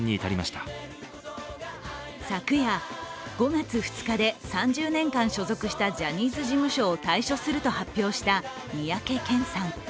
昨夜、５月２日で３０年間所属したジャニーズ事務所を退所すると発表した三宅健さん。